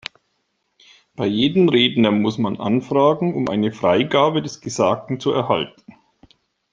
Bei jedem Redner muss man anfragen, um eine Freigabe des Gesagten zu erhalten.